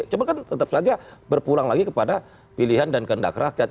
cuma kan tetap saja berpulang lagi kepada pilihan dan kehendak rakyat